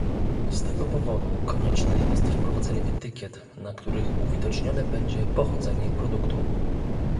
Z tego powodu konieczne jest wprowadzenie etykiet, na których uwidocznione będzie pochodzenie produktu